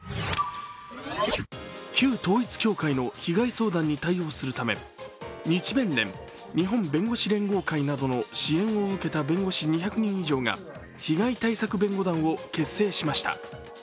旧統一教会の被害相談に対応するため日弁連＝日本弁護士連合会などを支援を受けた弁護士２００人以上が、被害対策弁護団を結成しました。